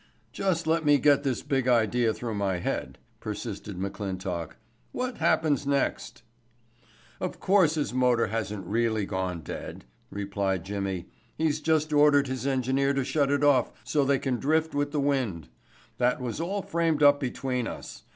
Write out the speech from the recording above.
"Just let me get this big idea through my head," persisted McClintock. "What happens next?" "Of course his motor hasn't really gone dead," replied Jimmy. "He's just ordered his engineer to shut it off so they can drift with the wind. That was all framed up between us.